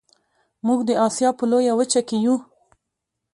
موږ د اسیا په لویه وچه کې یو